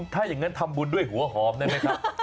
ถ้าอย่างนั้นทำบุญด้วยหัวหอมได้ไหมครับ